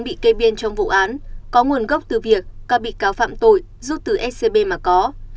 scb đã bị cây biên trong vụ án có nguồn gốc từ việc các bị cáo phạm tội giúp từ scb mà có